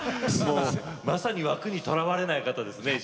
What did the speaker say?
まさに枠にとらわれない方ですね。